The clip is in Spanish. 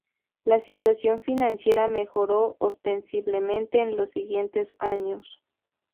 La situación financiera mejoró ostensiblemente en los siguientes años.